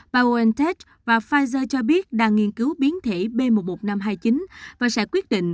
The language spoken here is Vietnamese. và unted và pfizer cho biết đang nghiên cứu biến thể b một một năm trăm hai mươi chín và sẽ quyết định